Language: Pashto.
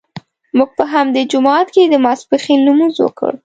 موږ په همدې جومات کې د ماسپښین لمونځ وکړ.